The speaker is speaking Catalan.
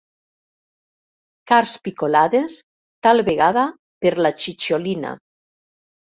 Carns picolades, tal vegada per la Cicciolina.